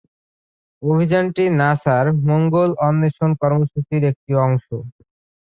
অভিযানটি নাসার মঙ্গল অন্বেষণ কর্মসূচীর একটি অংশ।